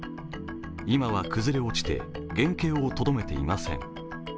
今は崩れ落ちて原形をとどめていません。